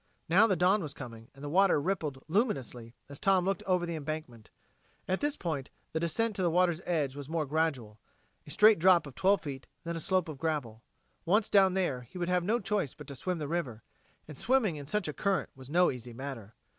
Now the dawn was coming, and the water rippled luminously as Tom looked over the embankment. At this point, the descent to the water's edge was more gradual a straight drop of twelve feet, then a slope of gravel. Once down there, he would have no choice but to swim the river, and swimming in such a current was no easy matter.